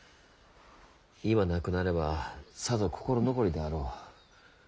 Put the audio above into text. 今亡くなればさぞ心残りであろう。